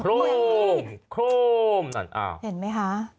รมโครมนั่นอ้าวเห็นไหมคะ